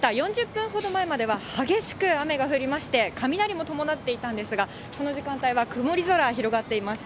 ４０分ほど前までは激しく雨が降りまして、雷も伴っていたんですが、この時間帯は曇り空広がっています。